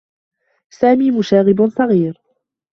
سامي مشاغب صغير.